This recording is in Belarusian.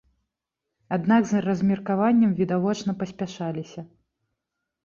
Аднак з размеркаваннем відавочна паспяшаліся.